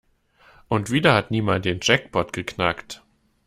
Und wieder hat niemand den Jackpot geknackt.